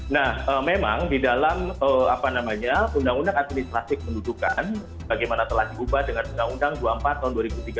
nah memang di dalam undang undang administrasi kependudukan bagaimana telah diubah dengan undang undang dua puluh empat tahun dua ribu tiga belas